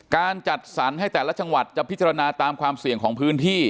การจัดสรรให้แต่ละจังหวัดจะพิจารณาตามความเสี่ยงของพื้นที่